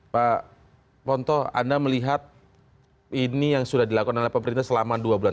pak ponto anda melihat ini yang sudah dilakukan oleh pemerintah selama dua bulan